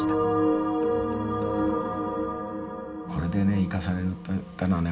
これでね行かされたらね